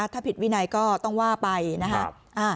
ถ้าผิดวินัยก็ต้องว่าไปนะครับ